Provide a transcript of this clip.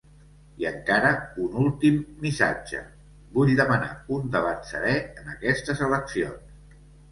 I encara un últim missatge: Vull demanar un debat serè en aquestes eleccions.